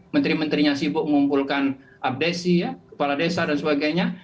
menteri menterinya sibuk mengumpulkan abdesi kepala desa dan sebagainya